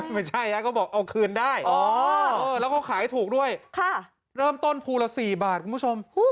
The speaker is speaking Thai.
ไม่ใช่ก็บอกเอาคืนได้แล้วก็ขายถูกด้วยเริ่มต้นภูละ๔บาทคุณผู้ชม